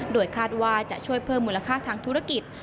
โดยคาดว่าจะช่วยเพิ่มมูลค่าทางธุรกิจ